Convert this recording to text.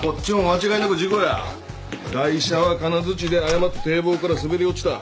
ガイ者は金づちで誤まって堤防から滑り落ちた。